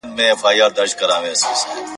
زه به ژوندی یم بهار به راسي ..